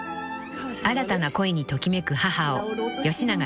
［新たな恋にときめく母を吉永小百合さん］